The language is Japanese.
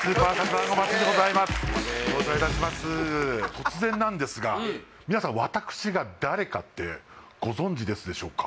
突然なんですが皆さんご存じですでしょうか？